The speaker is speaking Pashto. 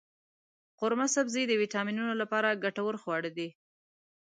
قورمه سبزي د ویټامینونو لپاره ګټور خواړه دی.